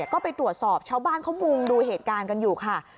ก็ไปตรวจสอบชาวบ้านเขามุงดูเหตุการณ์กันอยู่ค่ะ